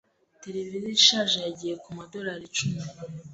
Televiziyo ishaje yagiye kumadorari icumi.